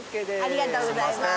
ありがとうございます。